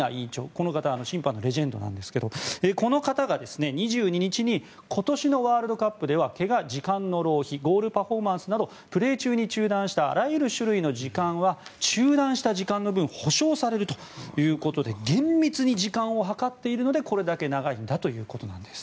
この方審判のレジェンドなんですがこの方が２２日に今年のワールドカップではけが、１時間の浪費ゴールパフォーマンスなどプレー中に中断したあらゆる種類の時間は中断した時間の分保証されるということで厳密に時間を計っているのでこれだけ長いんだということです。